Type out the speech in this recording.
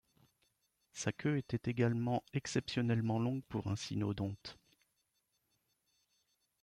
Sa queue était également exceptionnellement longue pour un cynodonte.